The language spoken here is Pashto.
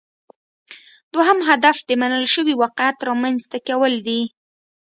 دوهم هدف د منل شوي واقعیت رامینځته کول دي